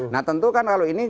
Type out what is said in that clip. nah tentu kan kalau ini